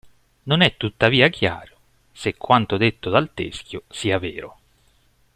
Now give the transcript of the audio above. Non è tuttavia chiaro se quanto detto dal Teschio sia vero.